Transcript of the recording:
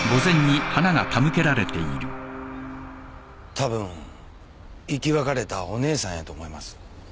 たぶん生き別れたお姉さんやと思います。